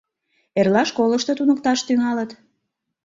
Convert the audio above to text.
Эрла школышто туныкташ тӱҥалыт.